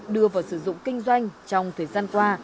đưa vào sử dụng kinh doanh trong thời gian qua